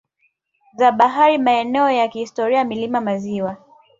za bahari maeneo ya kihistoria milima maziwa